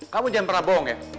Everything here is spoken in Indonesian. kamu jangan pernah bohong ya